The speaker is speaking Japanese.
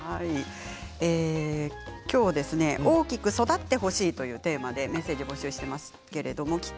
きょうは、大きく育ってほしいというテーマでメッセージを募集しています。